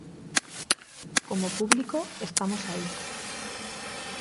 Como público, estamos aí.